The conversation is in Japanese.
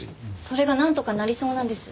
それがなんとかなりそうなんです。